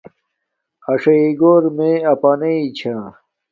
اݽی گھور مے اپناݵ چھا